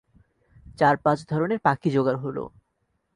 চার পাঁচ ধরনের পাখি যোগাড় হল।